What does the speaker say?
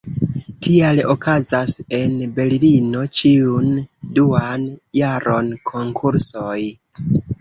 Tial okazas en Berlino ĉiun duan jaron konkursoj.